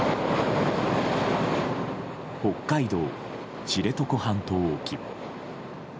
北海道知床半島沖。